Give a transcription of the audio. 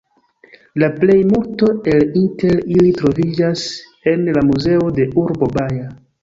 La plejmulto el inter ili troviĝas en la muzeo de urbo Baja.